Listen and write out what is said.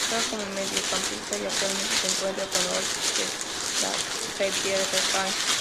Juega como Mediocampista y actualmente se encuentra en Odd de la Tippeligaen.